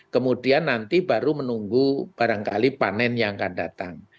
kemudian nanti baru menunggu barangkali panen yang akan datang